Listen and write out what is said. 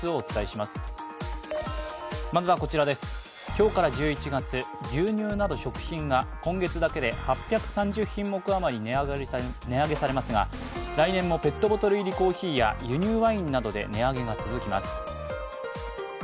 今日から１１月、牛乳など食品が今月だけで８３０品目あまり値上げされますが来年もペットボトル入りコーヒーや輸入ワインなどで値上げが続きます。